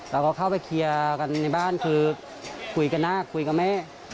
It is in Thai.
เราก็เข้าไปเคลียร์กันในบ้านคือคุยกันหน้าคุยกับแม่